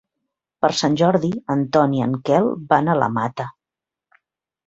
Per Sant Jordi en Ton i en Quel van a la Mata.